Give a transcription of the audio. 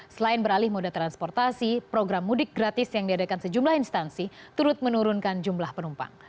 selain beralih moda transportasi program mudik gratis yang diadakan sejumlah instansi turut menurunkan jumlah penumpang